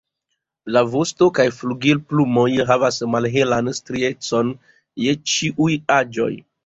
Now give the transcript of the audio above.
La vosto kaj flugilplumoj havas malhelan striecon je ĉiuj aĝoj.